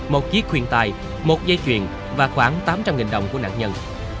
một chiếc khuyên tài một dây chuyện và khoảng tám trăm linh nghìn đồng của nạn nhân